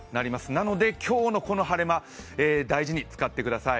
なので今日のこの晴れ間、大事に使ってください。